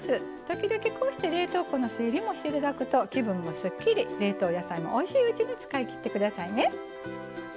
時々こうして冷凍庫の整理もしていただくと気分もすっきり冷凍野菜もおいしいうちに使い切ってくださいね。